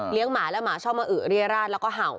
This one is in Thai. หมาแล้วหมาชอบมาอึเรียราชแล้วก็เห่า